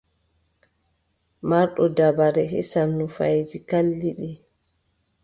Marɗo dabare hisan nufayeeji kalliɗi.